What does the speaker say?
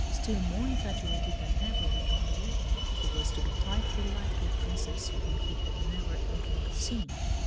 Still more infatuated than ever with Henriette, he was to be tied for life to a Princess whom he had never even seen.